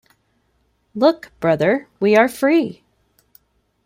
Look, brother, we are free!